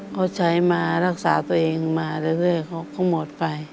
เขาใช้มารักษาตัวเองมาเรื่อยเขาหมดไป